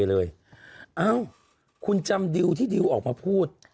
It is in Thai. เอ้าคุณจำดิวที่ดิวออกมาพูด